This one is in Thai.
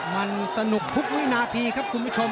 มันสนุกทุกวินาทีครับคุณผู้ชม